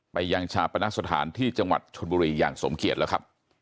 ยังชาปนสถานที่จังหวัดชนบุรีอย่างสมเกียจแล้วครับ